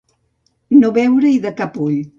No veure-hi de cap ull.